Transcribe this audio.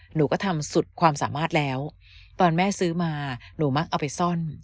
หนูก็ทำสุดความสามารถแล้วตอนแม่ซื้อมาหนูมักเอาไปซ่อน